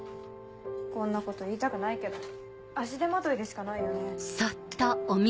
こんなこと言いたくないけど足手まといでしかないよね。